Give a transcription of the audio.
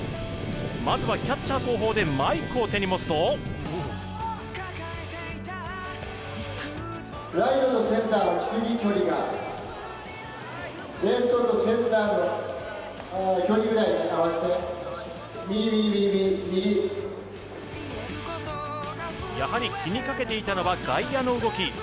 まずは、キャッチャー後方でマイクを手に持つとやはり気にかけていたのは外野の動き。